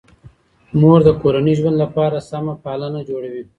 مور د کورني ژوند لپاره سمه پالن جوړوي.